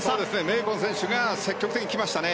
ベーコン選手が積極的にきましたね。